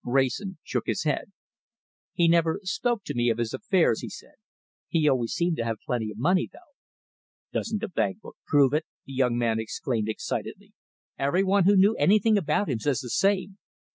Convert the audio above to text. Wrayson shook his head. "He never spoke to me of his affairs," he said. "He always seemed to have plenty of money, though." "Doesn't the bank book prove it?" the young man exclaimed excitedly. "Every one who knew anything about him says the same.